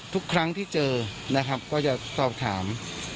ทุกครั้งที่เจอก็อยากตอบถาม